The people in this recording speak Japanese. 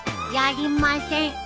やりません。